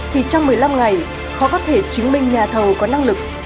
thì trong một mươi năm ngày khó có thể chứng minh nhà thầu có năng lực